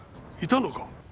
いたのか？